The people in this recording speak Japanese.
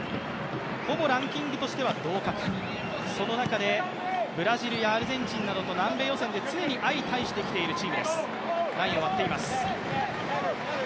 ほぼランキングとしては同格、その中でブラジルやアルゼンチンなどと南米予選で常に相対してきているチームです。